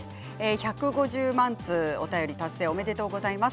１５０万通、お便り達成おめでとうございます。